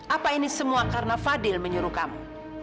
apa ini semua karena fadil menyuruh kamu